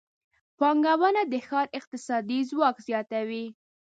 پانګونه د ښار اقتصادي ځواک زیاتوي.